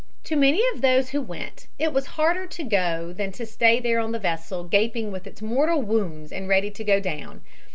To many of those who went it was harder to go than to stay there on the vessel gaping with its mortal wounds and ready to go down.